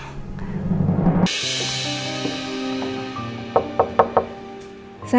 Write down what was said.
tidak ada masalah